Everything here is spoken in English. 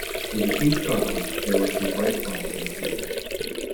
Though the team struggled, there were some bright spots for the season.